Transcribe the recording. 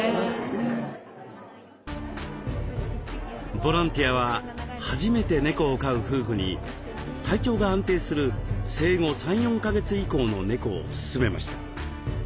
ボランティアは初めて猫を飼う夫婦に体調が安定する生後３４か月以降の猫を勧めました。